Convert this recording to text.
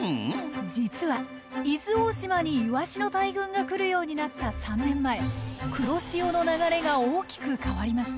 実は伊豆大島にイワシの大群が来るようになった３年前黒潮の流れが大きく変わりました。